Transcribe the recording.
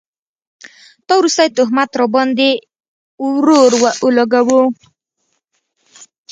دا وروستی تهمت راباند ې ورور اولګوو